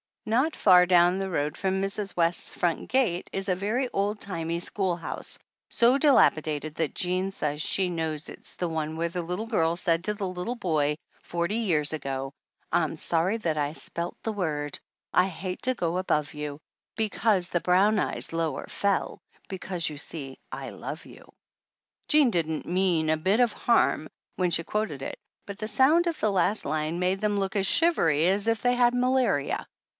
Not far down the road from Mrs. West's front gate is a very old timey school house, so dilapidated that Jean says she knows it's the one where the little girl said to the little boy, forty years ago : "I'm sorry that I spelt the word, I hate to go above you ; Because," the brown eyes lower fell ; "Because, you see, I love you !" Jean didn't mean a bit of harm when she 245 THE ANNALS OF ANN quoted it, but the sound of that last line made them look as shivery as if they had malaria.